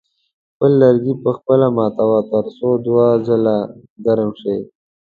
خپل لرګي په خپله ماتوه تر څو دوه ځله ګرم شي.